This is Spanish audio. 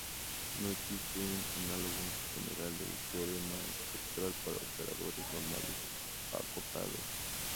No existe un análogo general del teorema espectral para operadores normales acotados.